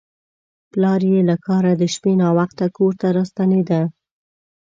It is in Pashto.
پلار یې له کاره د شپې ناوخته کور ته راستنېده.